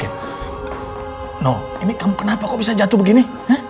no ini kamu kenapa kok bisa jatuh begini